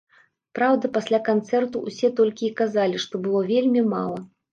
Праўда, пасля канцэрту ўсе толькі і казалі, што было вельмі мала.